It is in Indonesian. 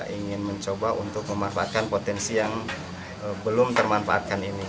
ingin mencoba untuk memanfaatkan potensi yang belum termanfaatkan ini